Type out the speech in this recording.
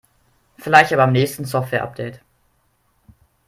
Vielleicht ja beim nächsten Softwareupdate.